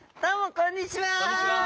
こんにちは。